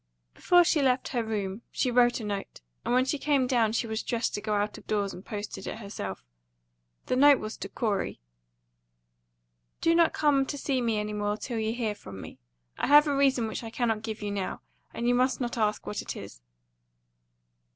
Before she left her room she wrote a note, and when she came down she was dressed to go out of doors and post it herself. The note was to Corey: "Do not come to see me any more till you hear from me. I have a reason which I cannot give you now; and you must not ask what it is."